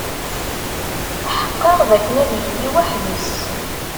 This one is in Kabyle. Tḥeqqeɣ dakken ad yili weḥd-s.